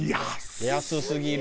安すぎよ！